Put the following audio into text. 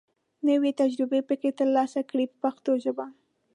نوې تجربې پکې تر لاسه کړي په پښتو ژبه.